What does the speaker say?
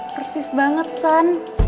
persis banget san